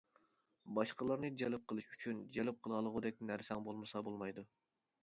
باشقىلارنى جەلپ قىلىش ئۈچۈن جەلپ قىلالىغۇدەك نەرسەڭ بولمىسا بولمايدۇ.